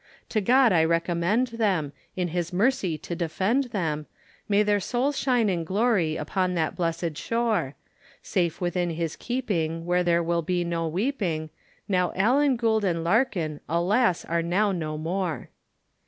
To God I recommend them, in his mercy to defend them, May their souls shine in glory upon that blessed shore, Safe within his keeping where there will be no weeping, Now Allen, Gould, and Larkin, alas! are now no more.